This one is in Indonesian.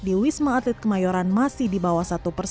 di wisma atlet kemayoran masih di bawah satu persen